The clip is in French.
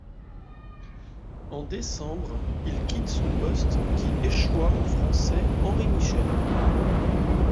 En décembre, il quitte son poste qui échoit au Français Henri Michel.